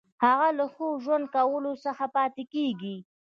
هغه له ښه ژوند کولو څخه پاتې کیږي.